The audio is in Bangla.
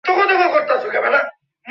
কিভাবে জানবো রান্নাঘর কোনটা?